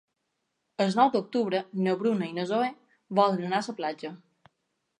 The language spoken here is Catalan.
El nou d'octubre na Bruna i na Zoè volen anar a la platja.